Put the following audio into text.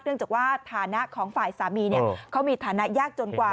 จากว่าฐานะของฝ่ายสามีเขามีฐานะยากจนกว่า